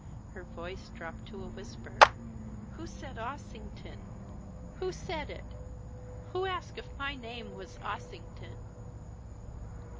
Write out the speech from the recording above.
Her voice dropped to a whisper. "Who said Ossington? Who said it? Who asked if my name was Ossington?"